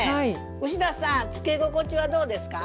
牛田さんつけ心地はどうですか？